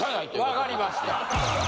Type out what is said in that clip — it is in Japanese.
わかりました。